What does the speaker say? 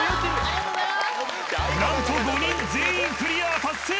［何と５人全員クリア達成！］